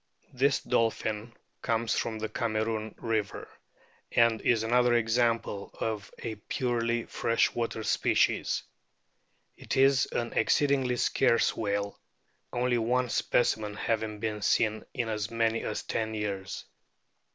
This dolphin comes from the Cameroon river, and is another example of a purely fresh water species. It is an exceedingly scarce whale, only one specimen having been seen in as many as ten years.